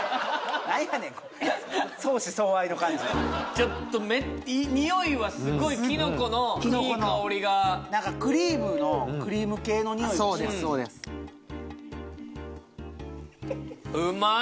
ちょっと匂いはすごいきのこのいい香りがなんかクリームのクリーム系の匂いがしますうまい！